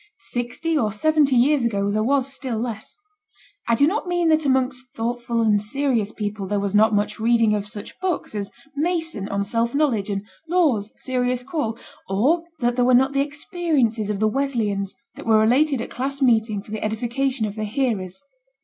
Sixty or seventy years ago there was still less. I do not mean that amongst thoughtful and serious people there was not much reading of such books as Mason on Self Knowledge and Law's Serious Call, or that there were not the experiences of the Wesleyans, that were related at class meeting for the edification of the hearers.